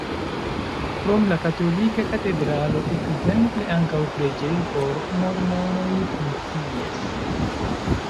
Krom la katolika katedralo ekzemple ankaŭ preĝejo por mormonoj funkcias.